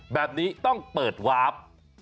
แบบนี้ต้องเปิดวาร์ฟ